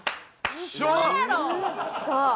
きた！